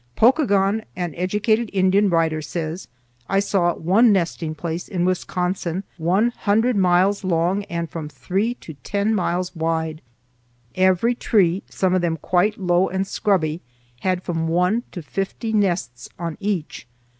Pokagon, an educated Indian writer, says: "I saw one nesting place in Wisconsin one hundred miles long and from three to ten miles wide. Every tree, some of them quite low and scrubby, had from one to fifty nests on each.